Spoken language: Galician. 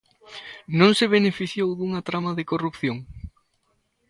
¿Non se beneficiou dunha trama de corrupción?